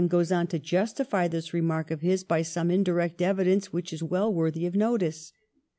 379 goes on to justify this remark of his by some indirect evidence which is well worthy of notice.